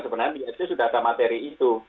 sebenarnya di isp sudah ada materi itu